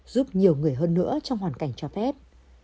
giúp nhiều người hơn nữa trong hoàn cảnh cho phép